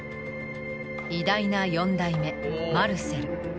偉大な４代目マルセル。